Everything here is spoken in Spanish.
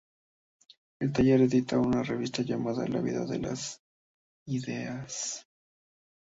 El taller edita una revista llamada, "La Vida de la Ideas".